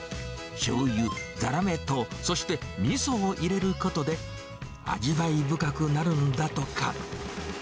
しょうゆ、ざらめと、そしてみそを入れることで、味わい深くなるんだとか。